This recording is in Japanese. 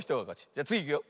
じゃつぎいくよ。